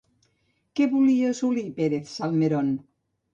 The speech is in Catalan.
Què volia assolir Pérez-Salmerón?